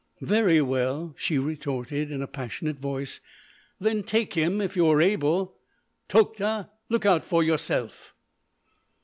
"Very well!" she retorted in a passionate voice—"then take him if you are able! Tokhta! Look out for yourself!"